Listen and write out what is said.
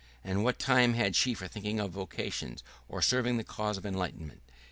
And what time had she for thinking of vocation, of serving the cause of enlightenment?